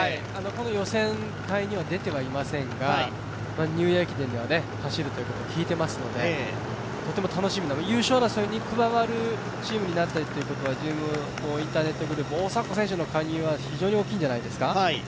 この予選会には出てはいませんが、ニューイヤー駅伝では走ると聞いていますので、とても楽しみ、優勝争いに加わるチームになっているというのはＧＭＯインターネットグループ、大迫選手の参画は頼もしいんじゃないですか。